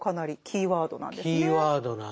キーワードなんですね。